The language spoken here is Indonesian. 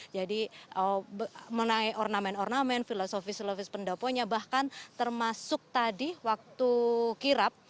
jadi menaik ornamen ornamen filosofis filosofis pendoponya bahkan termasuk tadi waktu kirap